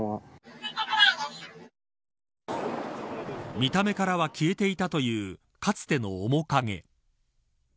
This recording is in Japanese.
見た目からは消えていたというかつての面影。